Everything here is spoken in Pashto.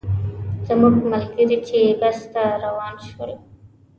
زموږ ملګري چې بس ته روان شول.